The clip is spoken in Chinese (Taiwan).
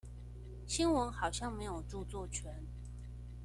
新聞好像沒有著作權